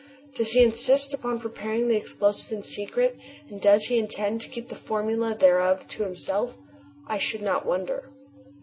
Does he insist upon preparing the explosive in secret and does he intend to keep the formula thereof to himself? I should not wonder.